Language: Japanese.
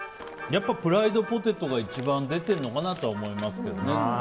やっぱプライドポテトが一番出てるのかなとは思いますけどね。